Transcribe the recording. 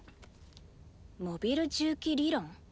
「モビル重機理論」？